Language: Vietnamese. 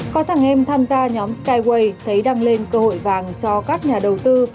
có thằng em tham gia nhóm skyway thấy đăng lên cơ hội vàng cho các nhà đầu tư